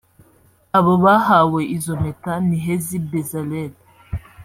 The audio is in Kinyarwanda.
Abo bahawe izo mpeta ni Hezi Bezalel